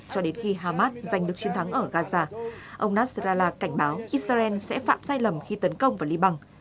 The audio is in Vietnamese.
cho đến khi hamas giành được chiến thắng ở gaza ông nasrallah cảnh báo israel sẽ phạm sai lầm khi tấn công vào liban